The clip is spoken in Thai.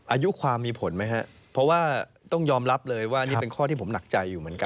อายุความมีผลไหมครับเพราะว่าต้องยอมรับเลยว่านี่เป็นข้อที่ผมหนักใจอยู่เหมือนกัน